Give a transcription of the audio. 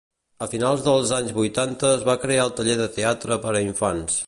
A finals dels anys vuitanta es va crear el Taller de Teatre per a infants.